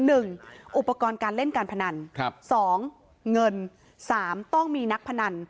อุปกรณ์การเล่นการพนันครับสองเงินสามต้องมีนักพนัน